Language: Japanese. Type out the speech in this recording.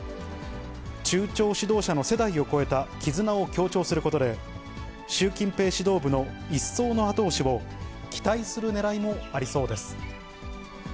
中朝指導者の世代を超えた絆を強調することで、習近平指導部の一層の後押しを期待するねらいもありそうです。